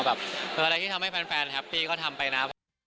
แบบอะไรที่ทำให้แฟนแฮปปี้ก็ทำไปนะ